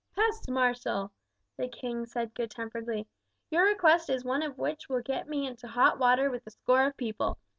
"Peste, marshal!" the king said good temperedly; "your request is one of which will get me into hot water with a score of people.